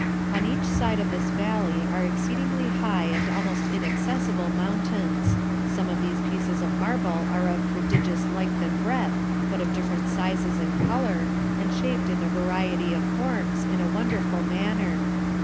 On each side of this valley are exceedingly high and almost inaccessible mountains Some of these pieces of marble are of prodigious length and breadth but of different sizes and colour, and shaped in a variety of forms, in a wonderful manner.